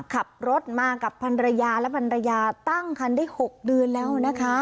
ขับรถมากับพันรยาและภรรยาตั้งคันได้๖เดือนแล้วนะคะ